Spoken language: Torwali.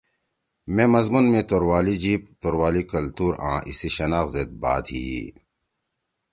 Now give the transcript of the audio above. مے مضمون می توروالی جیِب، توروالی کلتور آں ایِسی شناخت زید بات ہی یی۔